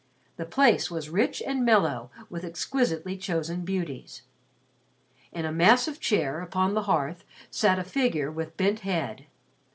The place was rich and mellow with exquisitely chosen beauties. In a massive chair upon the hearth sat a figure with bent head.